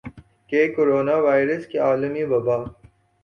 کہ corona virus کی عالمی وبا